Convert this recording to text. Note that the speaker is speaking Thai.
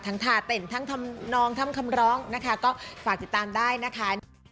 ทาเต้นทั้งทำนองทำคำร้องนะคะก็ฝากติดตามได้นะคะ